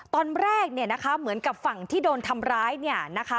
ตอนแรกเนี่ยนะคะเหมือนกับฝั่งที่โดนทำร้ายเนี่ยนะคะ